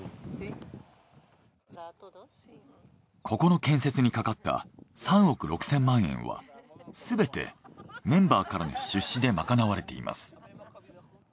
ここの建設にかかった３億６，０００万円はすべてメンバーからの出資で賄われています。